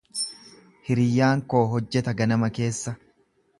Hiriyyaan koo hojjeta ganama keessa.